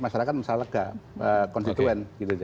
masyarakat masalah ke konstituen